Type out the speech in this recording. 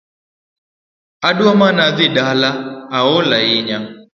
Adwa mana dhii dala aol ahinya